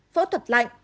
phẫu thuật lạnh